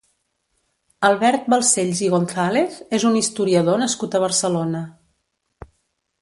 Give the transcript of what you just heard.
Albert Balcells i González és un historiador nascut a Barcelona.